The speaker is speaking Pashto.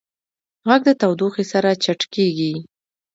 غږ د تودوخې سره چټکېږي.